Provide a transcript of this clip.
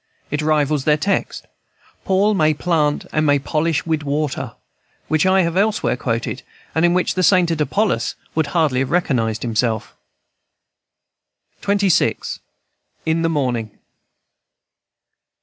It rivals their text, "Paul may plant, and may polish wid water," which I have elsewhere quoted, and in which the sainted Apollos would hardly have recognized himself. XXVI. IN THE MORNING.